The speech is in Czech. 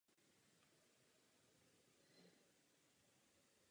Volby do Evropského parlamentu se konají každých pět let.